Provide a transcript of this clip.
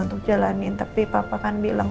untuk jalanin tapi papa kan bilang